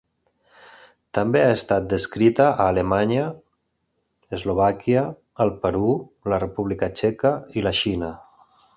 També ha estat descrita a Alemanya, Eslovàquia, el Perú, la República Txeca i la Xina.